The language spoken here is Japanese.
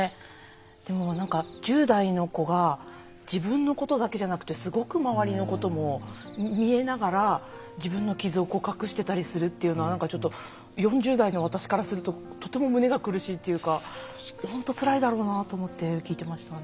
でも、１０代の子が自分のことだけじゃなくてすごく周りのことも見えながら、自分の傷を告白してたりするというのはちょっと４０代の私からするととても胸が苦しいというか本当につらいだろうなと思って聞いてましたね。